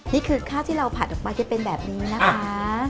นี่คือข้าวที่เราผัดออกไปจะเป็นแบบนี้นะคะ